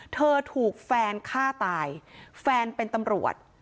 เธอถูกแฟนฆ่าตายแฟนเป็นตำรวจ